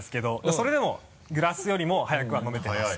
それでもグラスよりも早くは飲めてます。